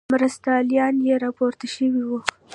مرستیال یې راپورته شوی وو.